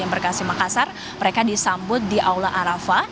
yang berkasih makassar mereka disambut di aula arafa